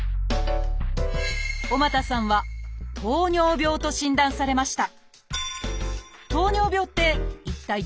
尾又さんは「糖尿病」と診断されました